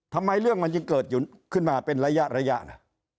ทำไมเรื่องมันจึงเกิดขึ้นมาเป็นระยะนะ